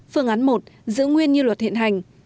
phương án một giữ nguyên như luật hiện hành